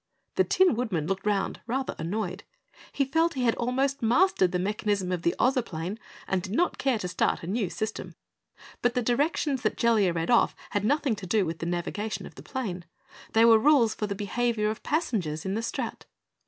The Tin Woodman looked round rather annoyed. He felt he had almost mastered the mechanism of the Ozoplane and did not care to start a new system. But the directions that Jellia read off had nothing to do with the navigation of the plane. They were rules for the behavior of passengers in the strat.